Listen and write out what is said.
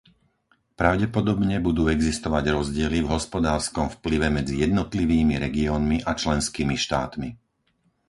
Pravdepodobne budú existovať rozdiely v hospodárskom vplyve medzi jednotlivými regiónmi a členskými štátmi.